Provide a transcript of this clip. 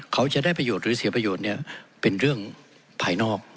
เขาจะได้ประโยชน์หรือเสียประโยชน์เป็นเรื่องภายนอก